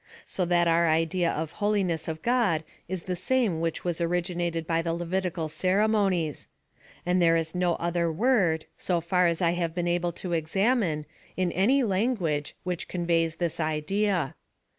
So that our idea of the holiness of God is the same which was originated by the Levitical ceremonies ; and there is nc other word, so far as I have been able to examine, in any language, which conveys this idea.